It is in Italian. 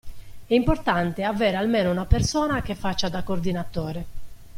È importante avere almeno una persona che faccia da coordinatore.